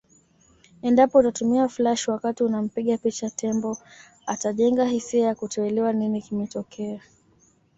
Endapo utatumia flash wakati unampiga picha tembo atajenga hisia ya kutoelewa nini kimetokea